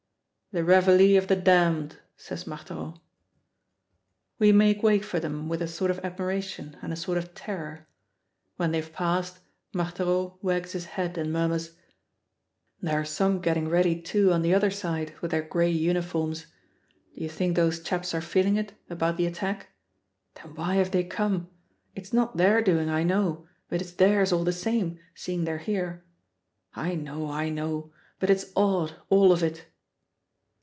"The revally of the damned," says Marthereau. We make way for them with a sort of admiration and a sort of terror. When they have passed, Marthereau wags his head and murmurs, "There are some getting ready, too, on the other side, with their gray uniforms. Do you think those chaps are feeling it about the attack? Then why have they come? It's not their doing, I know, but it's theirs all the same, seeing they're here. I know, I know, but it's odd, all of it."